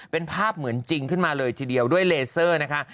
เป็นภาพเหมือนจริงขึ้นมาเลยทีเดียวด้วยเลเซอร์นะคะ